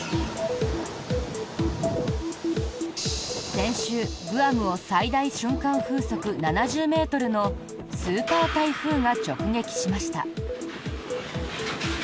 先週、グアムを最大瞬間風速７０ｍのスーパー台風が直撃しました。